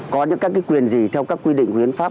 có những cái quyền gì theo các quy định huyến pháp